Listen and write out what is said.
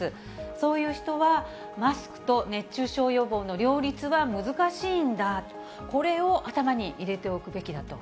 そういう人は、マスクと熱中症予防の両立は難しいんだと、これを頭に入れておくべきだと。